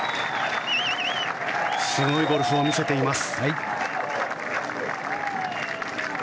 すごいゴルフを見せています。